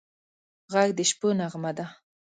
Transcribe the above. غږ د شپو نغمه ده